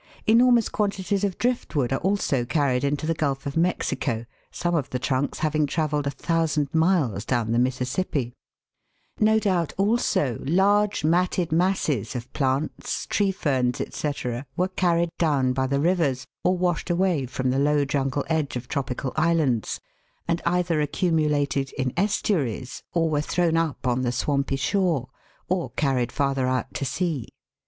Enormous quantities of drift wood are also carried into the Gulf of Mexico, some of the trunks having travelled 1,000 miles down the Mississippi. No doubt also large matted masses of plants, tree ferns, &c, were carried down by the rivers or washed away from the low jungle edge of tropical islands, and either accumulated in estuaries or were thrown up on the swampy shore or carried farther out to sea.